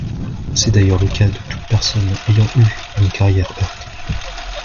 C’est d’ailleurs le cas de toute personne ayant eu une carrière heurtée.